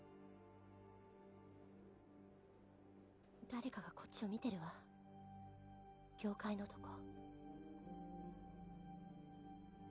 誰かがこっちを見てるわ教会のとこ